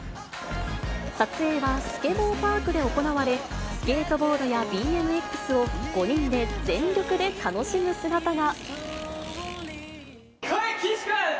撮影はスケボーパークで行われ、スケートボードやＢＭＸを、５人で全力で楽しむ姿が。